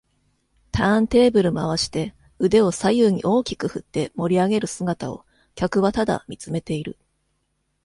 ターンテーブル回して腕を左右に大きく振って盛りあげる姿を客はただ見つめている